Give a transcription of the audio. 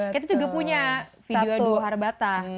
kita juga punya video duo harabata